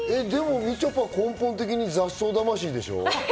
みちょぱ、根本的に雑草魂でしょう？